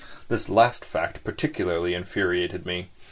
This last fact particularly infuriated me.